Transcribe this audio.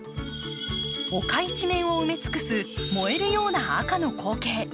丘一面を埋め尽くす燃えるような赤の光景。